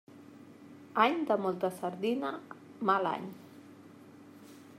Any de molta sardina, mal any.